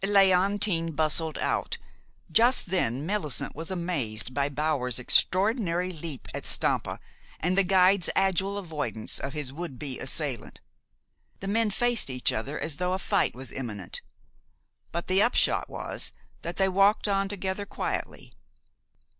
Léontine bustled out. Just then Millicent was amazed by Bower's extraordinary leap at Stampa and the guide's agile avoidance of his would be assailant. The men faced each other as though a fight was imminent; but the upshot was that they walked on together quietly.